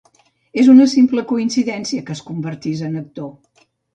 És una simple coincidència que es convertís en actor.